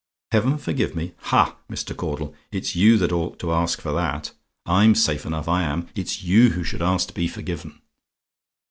"HEAVEN FORGIVE ME? "Ha! Mr. Caudle, it's you that ought to ask for that: I'm safe enough, I am: it's you who should ask to be forgiven.